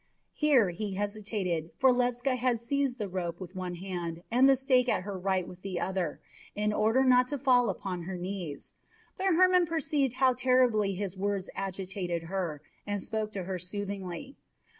Here he hesitated, for Ledscha had seized the rope with one hand and the stake at her right with the other, in order not to fall upon her knees; but Hermon perceived how terribly his words agitated her, and spoke to her soothingly.